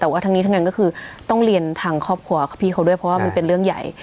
แต่ว่าทั้งนี้ทั้งนั้นก็คือต้องเรียนทางครอบครัวกับพี่เขาด้วยเพราะว่ามันเป็นเรื่องใหญ่